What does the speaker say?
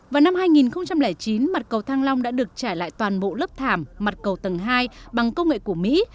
vào năm hai nghìn chín mặt cầu thăng long đã được trải lại toàn bộ lớp thảm mặt cầu tầng hai bằng công nghệ của mỹ